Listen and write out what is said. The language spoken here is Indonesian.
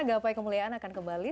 gapai kemuliaan akan kembali